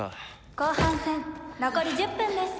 後半戦残り１０分です。